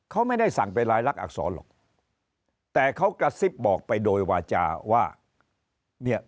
เขาไม่ได้สั่งเป็นรายลักษณอักษรหรอกแต่เขากระซิบบอกไปโดยวาจาว่าเนี่ย